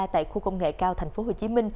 tại khu công nghệ cao tp hcm